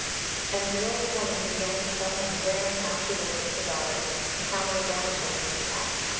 And the old woman began to tell him where and how she lived with her daughter and how many grandchildren she had.